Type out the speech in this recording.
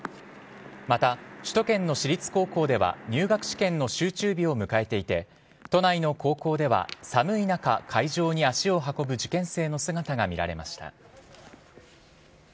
また、首都圏の私立高校では入学試験の集中日を迎えていて都内の高校では、寒い中会場に足を運ぶ受験生の姿が見られました。